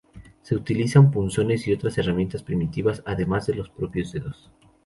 Se utilizan punzones y otras herramientas primitivas, además de los propios dedos.